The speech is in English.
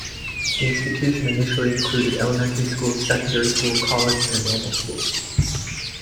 The institution initially included elementary school, secondary school, college, and a normal school.